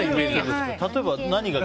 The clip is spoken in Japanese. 例えば何が？